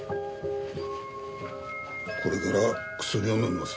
「これから薬を飲みます」